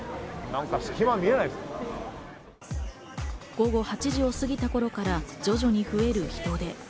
午後８時を過ぎた頃から徐々に増える人出。